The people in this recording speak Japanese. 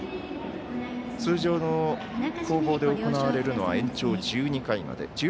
通常の攻防で行われるのは延長１２回まで。